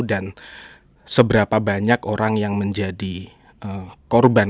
dan seberapa banyak orang yang menjadi korban